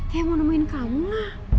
saya mau nemuin kamu lah